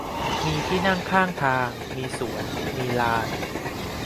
มีที่นั่งข้างทาง มีสวน มีลาน